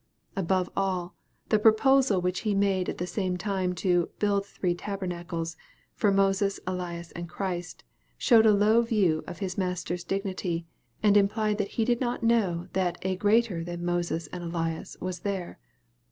Above all, the proposal which he made at the same time to " build three tabernacles" for Moses, Elias, and Christ, showed a low view of his Mas ter's dignity, and implied that he did not know that a greater than Moses and Elias was there.